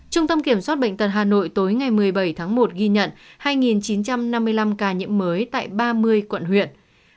trung tâm kiểm soát bệnh tật hà nội tối ngày một mươi bảy tháng một ghi nhận hai chín trăm năm mươi năm ca nhiễm mới tại ba mươi quận huyện